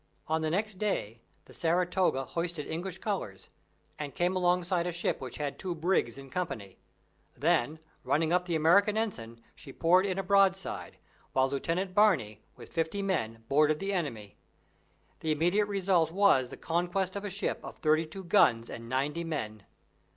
On the next day, the Saratoga hoisted English colors, and came along side a ship which had two brigs in company, then running up the American ensign, she poured in a broadside, while Lieutenant Barney, with fifty men, boarded the enemy. The immediate result was, the conquest of a ship of thirty two guns and ninety men.